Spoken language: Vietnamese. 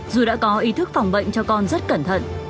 dù đã có ý thức phòng bệnh cho con rất cẩn thận